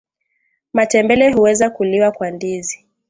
Matembele huweza kuliwa kwa ndizi